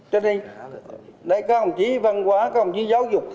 cho nên đây các ông chí văn hóa các ông chí giáo dục